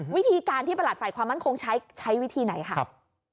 วิธีการที่ประหลัดฝ่ายความมั่นคงใช้ใช้วิธีไหนครับ